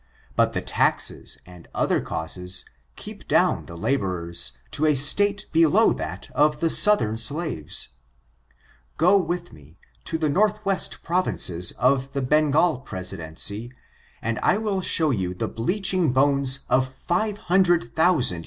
But the taxes and other causes, keep down the laborers to a state below that of the southern slaves. Go with me into the north west provinces of the Bengal presidency, and I will show you the bleaching bones of five hundred thousand